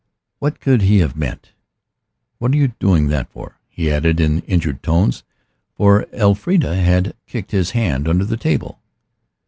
What could he have meant? What are you doing that for?" he added in injured tones, for Elfrida had kicked his hand under the table.